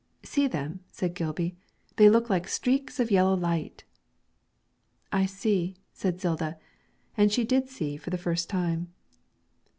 'See them,' said Gilby; 'they look like streaks of yellow light!' 'I see,' said Zilda, and she did see for the first time.